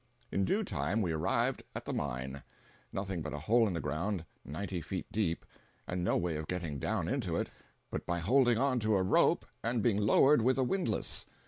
In due time we arrived at the "mine"—nothing but a hole in the ground ninety feet deep, and no way of getting down into it but by holding on to a rope and being lowered with a windlass.